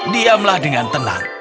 diamlah dengan tenang